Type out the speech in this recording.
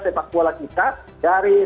sepak bola kita dari